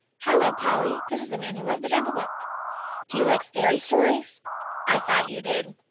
"Hello, Polly!" "This is the man who wrote the JUMBLE BOOK. Do you like Fairy Stories? I thought you did.